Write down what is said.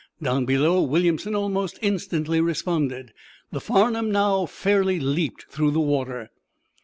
Down below, Williamson almost instantly responded. The "Farnum" now fairly leaped through the water.